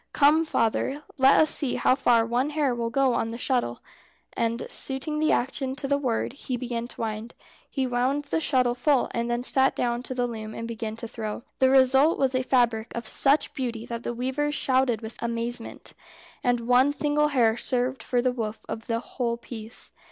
"Come, father, let us see how far one hair will go on the shuttle." And suiting the action to the word, he began to wind. He wound the shuttle full, and then sat down to the loom and began to throw. The result was a fabric of such beauty that the Weavers shouted with amazement, and one single hair served for the woof of the whole piece.